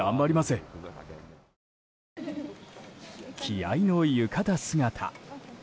気合の浴衣姿。